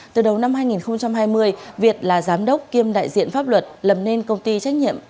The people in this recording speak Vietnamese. từ đầu năm hai nghìn hai mươi việt là giám đốc kiêm đại diện pháp luật lầm nên công ty trách nhiệm